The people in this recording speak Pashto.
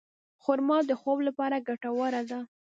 خرما د خوب لپاره ګټوره ده.